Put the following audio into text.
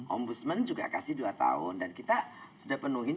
ombudsman juga kasih dua tahun dan kita sudah penuhi